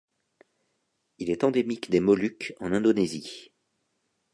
Il est endémique des Moluques en Indonésie.